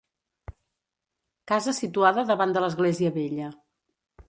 Casa situada davant de l'església vella.